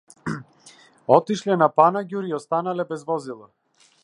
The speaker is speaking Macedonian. Отишле на панаѓур и останале без возила